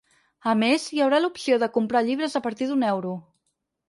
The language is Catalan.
A més, hi haurà l’opció de comprar llibres a partir d’un euro.